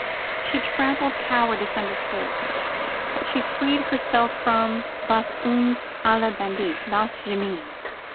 She trampled cowardice under foot; she freed herself from "was uns alle bändigt, das Gemeine!"